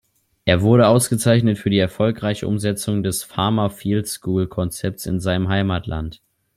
Er wurde ausgezeichnet für die erfolgreiche Umsetzung des „Farmer Field School“-Konzepts in seinem Heimatland.